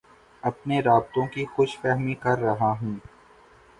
اپنے رابطوں کی خوش فہمی کررہا ہوں